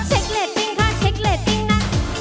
เรตติ้งค่ะเช็คเรตติ้งนะ